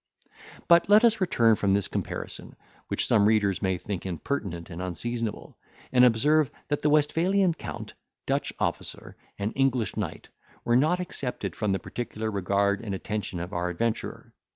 But let us return from this comparison, which some readers may think impertinent and unseasonable, and observe, that the Westphalian count, Dutch officer, and English knight, were not excepted from the particular regard and attention of our adventurer.